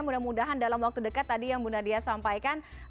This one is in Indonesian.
mudah mudahan dalam waktu dekat tadi yang bu nadia sampaikan